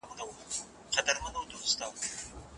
هغوی په خپلو زړونو کي د سکون د راوستلو لپاره له غوښتنو تېرېدل.